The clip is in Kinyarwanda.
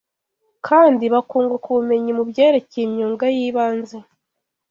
kandi bakunguka ubumenyi mu byerekeye imyuga y’ibanze